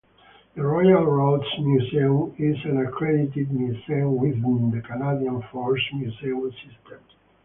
The Royal Roads Museum is an accredited museum within the Canadian Forces Museum System.